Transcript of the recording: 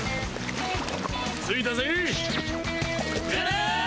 着いたぜ。